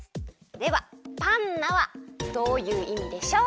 ではパンナはどういういみでしょう？